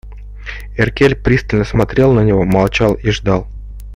Эркель пристально смотрел на на него, молчал и ждал.